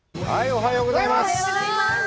おはようございます。